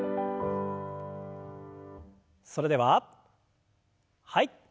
それでははい。